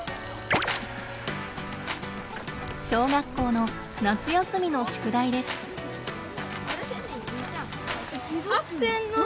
小学校の夏休みの宿題です。